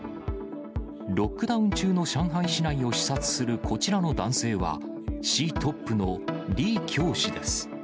ロックダウン中の上海市内を視察するこちらの男性は、市トップの李強氏です。